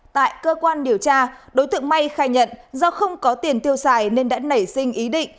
tại cơ quan điều tra đối tượng may khai nhận do không có tiền tiêu xài nên đã nảy sinh ý định